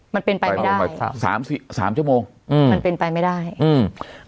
มันเป็นไปไม่ได้สามสี่สามชั่วโมงอืมมันเป็นไปไม่ได้อืม